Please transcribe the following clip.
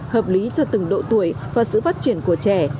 hợp lý cho từng độ tuổi và sự phát triển của trẻ